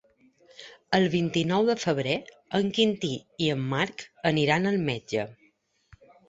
El vint-i-nou de febrer en Quintí i en Marc aniran al metge.